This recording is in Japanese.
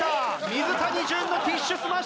水谷隼のティッシュスマッシュ！